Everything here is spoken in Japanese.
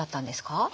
はい。